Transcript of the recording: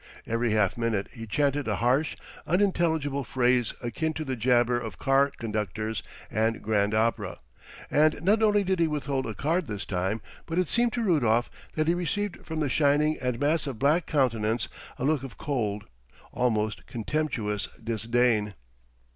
Every half minute he chanted a harsh, unintelligible phrase akin to the jabber of car conductors and grand opera. And not only did he withhold a card this time, but it seemed to Rudolf that he received from the shining and massive black countenance a look of cold, almost contemptuous disdain.